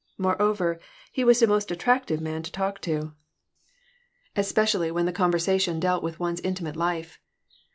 Moreover, he was a most attractive man to talk to, especially when the conversation dealt with one's intimate life.